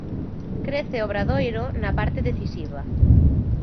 Crece Obradoiro na parte decisiva.